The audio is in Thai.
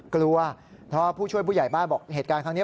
กลัวเพราะผู้ช่วยผู้ใหญ่บ้านบอกเหตุการณ์ครั้งนี้